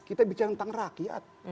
kita bicara tentang rakyat